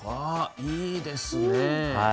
あいいですね。